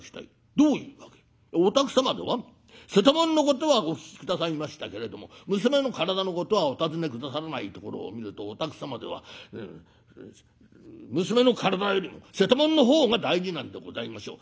『どういうわけ』『お宅様では瀬戸物のことはお聞き下さいましたけれども娘の体のことはお尋ね下さらないところを見るとお宅様では娘の体よりも瀬戸物の方が大事なんでございましょう。